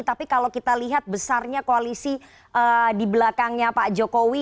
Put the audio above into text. tapi kalau kita lihat besarnya koalisi di belakangnya pak jokowi